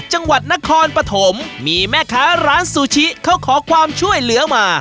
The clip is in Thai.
จังหวัดนครปฐมมีแม่ค้าร้านซูชิเขาขอความช่วยเหลือมา